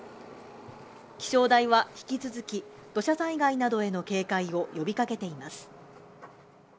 気象台は引き続き、土砂災害などへの警戒を呼びかけています。